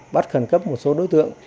bắt khẩn cấp một số đối tượng